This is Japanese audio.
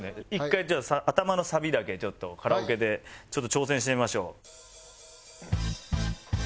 １回頭のサビだけカラオケで挑戦してみましょう。